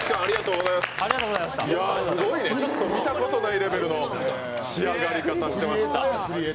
ちょっと見たことないレベルの仕上がり方してました。